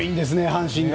阪神が。